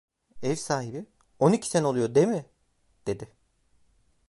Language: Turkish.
Ev sahibi: "On iki sene oluyor, değil mi?" dedi.